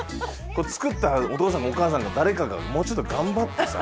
作ったお父さんかお母さんか誰かがもうちょっと頑張ってさ。